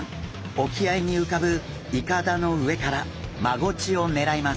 沖合に浮かぶいかだの上からマゴチを狙います。